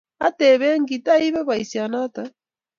Atepen key ngotaibe boisyo notok.